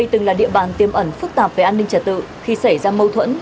từng là địa bàn tiêm ẩn phức tạp về an ninh trật tự khi xảy ra mâu thuẫn